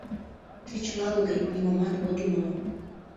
— Тый чыла лугет… нимомат от умыло!